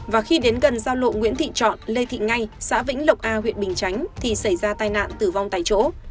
và khi đến gần giao lộ nguyễn thị trọn lê thị ngay xã vĩnh lộc a huyện bình chánh thì xảy ra tai nạn tử vong tại chỗ